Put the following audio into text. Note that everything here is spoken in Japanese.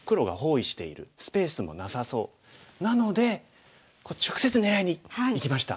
なので直接狙いにいきました。